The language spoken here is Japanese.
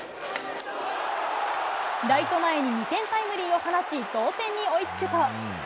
ライト前に２点タイムリーを放ち、同点に追いつくと。